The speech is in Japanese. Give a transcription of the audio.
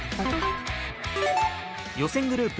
予選グループ